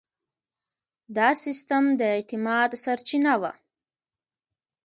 دا سیستم د اعتماد سرچینه وه.